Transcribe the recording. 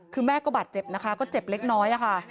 คือแม่ก็บาดเจ็บนะคะก็เจ็บเล็กน้อยค่ะ